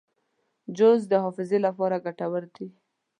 جوز د حافظې لپاره ګټور دي.